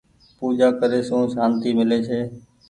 پوجآ ڪري سون سانتي ميلي ڇي۔